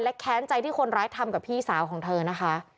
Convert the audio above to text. และแค้นใจที่คนร้ายทำกับพี่สาวของเธอนะคะ